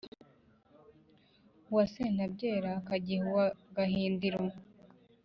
uwa séntabyera ákagiha uwa gahindiro